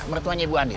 mertuanya ibu andien